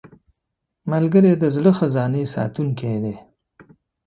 ملګری د زړه خزانې ساتونکی دی